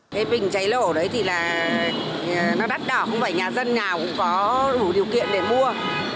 cái bình cháy nổ đấy thì là nó đắt đỏ không phải nhà dân nào cũng có đủ điều kiện để mua